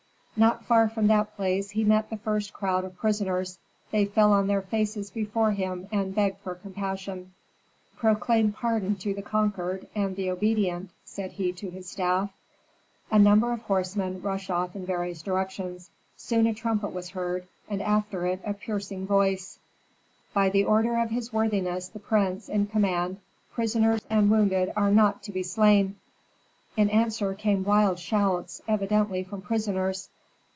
Not far from that place he met the first crowd of prisoners. They fell on their faces before him and begged for compassion. "Proclaim pardon to the conquered and the obedient," said he to his staff. A number of horsemen rushed off in various directions. Soon a trumpet was heard, and after it a piercing voice, "By the order of his worthiness the prince in command, prisoners and wounded are not to be slain!" In answer came wild shouts, evidently from prisoners.